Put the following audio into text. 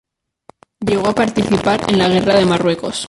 Llegó a participar en la guerra de Marruecos.